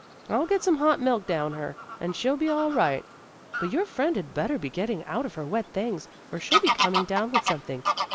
I'll get some hot milk down her, and she'll be all right. But your friend had better be getting out of her wet things, or she'll be coming down with something.